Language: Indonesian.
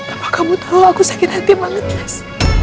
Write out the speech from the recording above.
apa kamu tahu aku sakit hati banget mas